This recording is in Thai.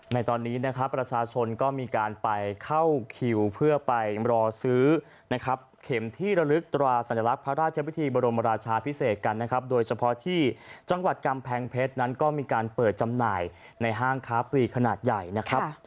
ในตอนนี้นะครับประชาชนก็มีการไปเข้าคิวเพื่อไปรอซื้อนะครับเข็มที่ระลึกตราสัญลักษณ์พระราชวิธีบรมราชาพิเศษกันนะครับโดยเฉพาะที่จังหวัดกำแพงเพชรนั้นก็มีการเปิดจำหน่ายในห้างค้าปลีขนาดใหญ่นะครับ